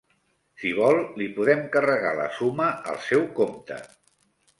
Si vol, li podem carregar la suma al seu compte.